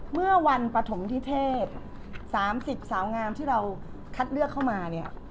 เมื่อวันปฐมทิเทศ๓๐สาวงามที่เราคัดเลือกเข้ามาเนี่ย